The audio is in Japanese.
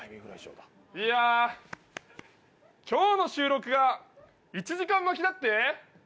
いや今日の収録が１時間巻きだって？